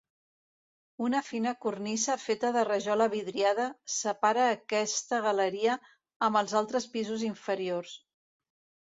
Una fina cornisa feta de rajola vidriada separa aquesta galeria amb els altres pisos inferiors.